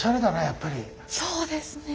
そうですね。